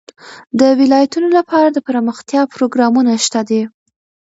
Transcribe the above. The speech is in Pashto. د ولایتونو لپاره دپرمختیا پروګرامونه شته دي.